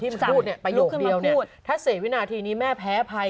ประโยคเดียวเนี่ยถ้าเสียวินาทีนี้แม่แพ้ภัย